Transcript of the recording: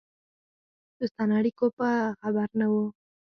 دوستانه اړیکو به خبر نه وو.